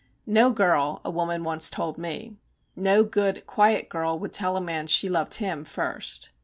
'No girl,' a woman once told me, 'no good, quiet girl would tell a man she loved him first.'